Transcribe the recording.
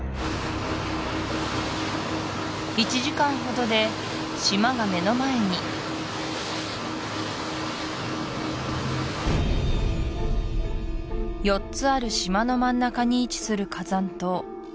１時間ほどで島が目の前に４つある島の真ん中に位置する火山島